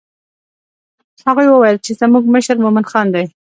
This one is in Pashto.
هغوی وویل چې زموږ مشر مومن خان دی.